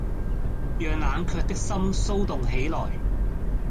讓冷卻的心騷動起來